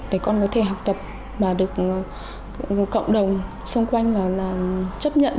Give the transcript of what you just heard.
để con có thể học tập và được cộng đồng xung quanh là chấp nhận